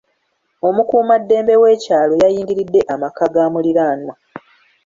Omukuumaddembe w'ekyalo yayingiridde amaka ga muliraanwa.